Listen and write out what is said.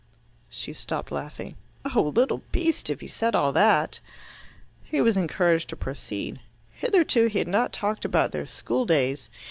She stopped laughing. "Oh, little beast, if he said all that!" He was encouraged to proceed. Hitherto he had not talked about their school days.